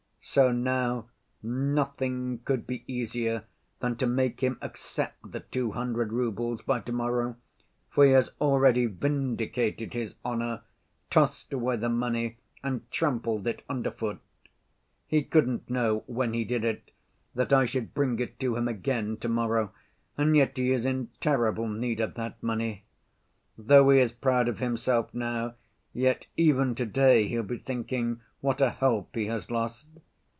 So now nothing could be easier than to make him accept the two hundred roubles by to‐morrow, for he has already vindicated his honor, tossed away the money, and trampled it under foot.... He couldn't know when he did it that I should bring it to him again to‐morrow, and yet he is in terrible need of that money. Though he is proud of himself now, yet even to‐day he'll be thinking what a help he has lost.